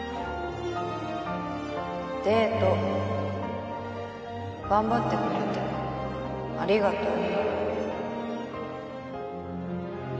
デート頑張ってくれてありがとう